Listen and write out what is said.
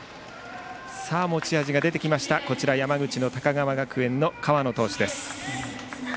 持ち味が出てきました山口の高川学園の河野投手。